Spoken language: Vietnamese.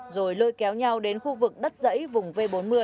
rồi lôi kéo nhau đến khu vực đất dãy vùng v bốn mươi